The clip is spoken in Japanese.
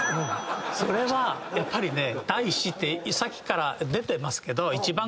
それはやっぱり第１子ってさっきから出てますけど一番。